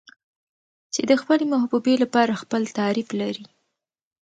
چې د خپلې محبوبې لپاره خپل تعريف لري.